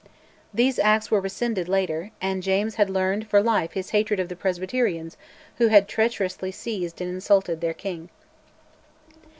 These Acts were rescinded later, and James had learned for life his hatred of the Presbyterians who had treacherously seized and insulted their king.